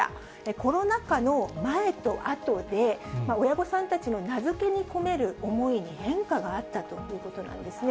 コロナ禍の前とあとで、親御さんたちの名付けに込める思いに変化があったということなんですね。